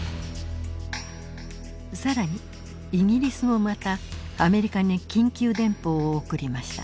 更にイギリスもまたアメリカに緊急電報を送りました。